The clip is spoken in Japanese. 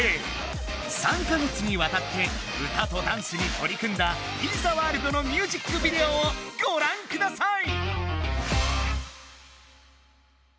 ３か月にわたって歌とダンスにとり組んだ「ＢｅＴｈｅＷｏｒｌｄ」のミュージックビデオをごらんください！